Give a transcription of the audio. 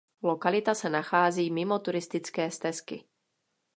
Lokalita se nachází mimo turistické stezky.